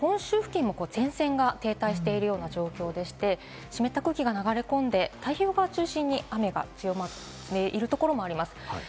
そして本州付近も前線が停滞している状況で、湿った空気が流れ込んで、太平洋側を中心に雨が強まっているところもあります。